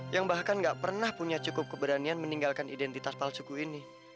yang bahkan gak pernah punya cukup keberanian meninggalkan identitas palsuku ini